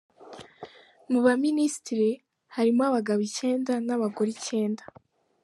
Mu baminisitiri, harimo abagabo icyenda n’abagore icyenda.